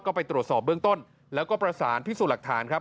ก็ไปตรวจสอบเบื้องต้นแล้วก็ประสานพิสูจน์หลักฐานครับ